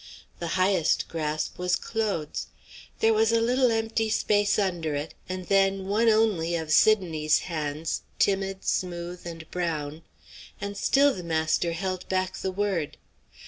The highest grasp was Claude's. There was a little empty space under it, and then one only of Sidonie's hands, timid, smooth, and brown. And still the master held back the word.